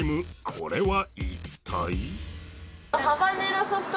これは一体？